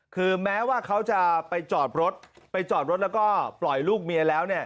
คือแม้ว่าเขาจะไปจอดรถไปจอดรถแล้วก็ปล่อยลูกเมียแล้ว